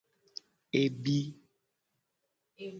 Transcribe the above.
Ebi.